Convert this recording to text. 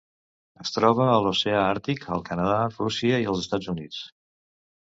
Es troba a l'Oceà Àrtic: el Canadà, Rússia i els Estats Units.